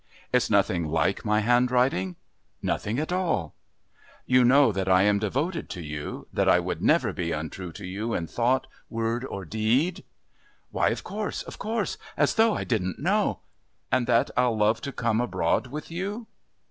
"It's nothing like my handwriting?" "Nothing at all." "You know that I am devoted to you, that I would never be untrue to you in thought, word or deed?" "Why, of course, of course. As though I didn't know " "And that I'll love to come abroad with you?"